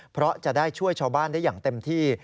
เพราะจะได้ช่วยชาวบ้านได้อย่างเต็มที่